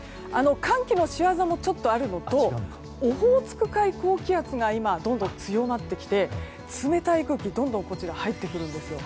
寒気の仕業もあるのとオホーツク海高気圧が今、どんどん強まってきて冷たい空気がどんどん入ってくるんです。